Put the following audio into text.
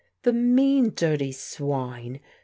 '" The mean, dirty swine !